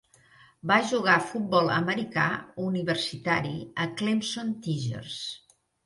Va jugar futbol americà universitari a Clemson Tigers.